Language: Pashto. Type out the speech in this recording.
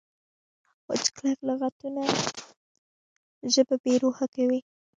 وچ کلک لغتونه ژبه بې روحه کوي.